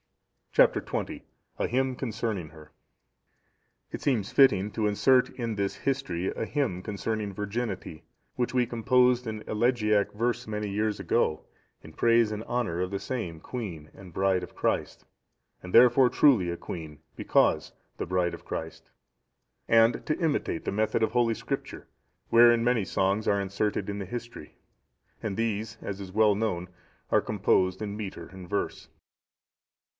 Chap. XX. A Hymn concerning her. It seems fitting to insert in this history a hymn concerning virginity, which we composed in elegiac verse many years ago, in praise and honour of the same queen and bride of Christ, and therefore truly a queen, because the bride of Christ; and to imitate the method of Holy Scripture, wherein many songs are inserted in the history, and these, as is well known, are composed in metre and verse.